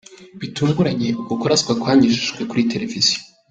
Bitunguranye, uku kuraswa kwanyujijwe kuri televiziyo.